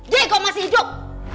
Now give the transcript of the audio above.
dekok masih hidup